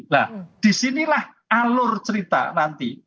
nah disinilah alur cerita nanti